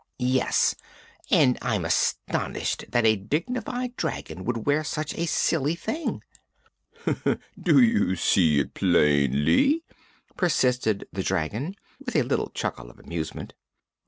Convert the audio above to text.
"Yes; and I'm astonished that a dignified dragon should wear such a silly thing." "Do you see it plainly?" persisted the dragon, with a little chuckle of amusement.